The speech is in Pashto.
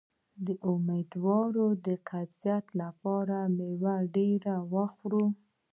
د امیدوارۍ د قبضیت لپاره میوه ډیره وخورئ